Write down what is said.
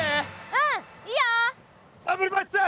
うんいいよ！